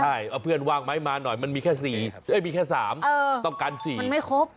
ใช่เอาเพื่อนวางไม้มาหน่อยมันมีแค่สามต้องการสี่มันไม่ครบ